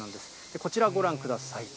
こちらご覧ください。